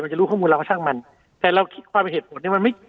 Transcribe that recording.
มันจะรู้ข้อมูลเราก็ช่างมันแต่เราคิดความเป็นเหตุผลเนี้ย